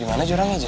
gimana jurang aja